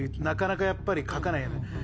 なかなかやっぱり書かないよね